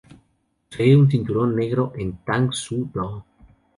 Posee un cinturón negro en tang soo do.